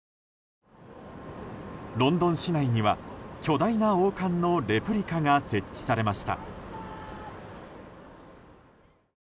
ロンドン市内には巨大な王冠のレプリカが設置されました。